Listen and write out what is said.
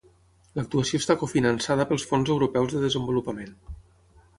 L'actuació està cofinançada pels Fons Europeus de Desenvolupament.